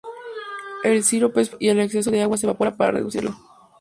El sirope es filtrado, y el exceso de agua se evapora para reducirlo.